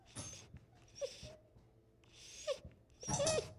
In this period he gained his first doctorate (PhD) on the New Testament.